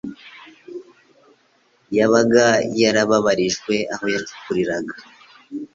yabaga yarabarijwe aho yacukuriraga;